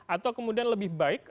atau kemudian lebih baik